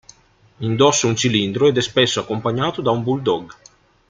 Indossa un cilindro ed è spesso accompagnato da un bulldog.